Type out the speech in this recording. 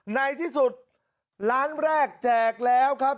ในที่สุดล้านแรกแจกแล้วครับ